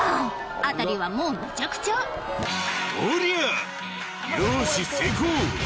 辺りはもうめちゃくちゃ「おりゃ！よし成功」